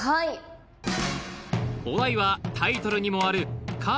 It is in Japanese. お題はタイトルにもある「か」